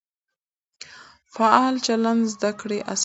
فعال چلند زده کړه اسانه کوي.